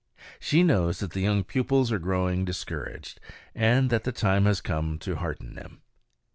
She knows that the young pupils are growing discouraged, and that the time has come to hearten them.